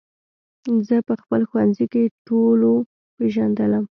زه په خپل ښوونځي کې ټولو پېژندلم